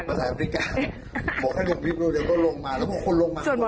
บอกถ้าเวียบริกฝุ่นเร็วก็ลงมาแล้วคนลงมา